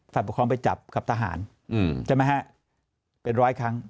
ปกครองไปจับกับทหารใช่ไหมฮะเป็นร้อยครั้ง